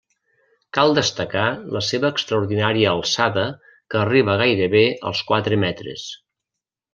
Cal destacar la seva extraordinària alçada que arriba gairebé als quatre metres.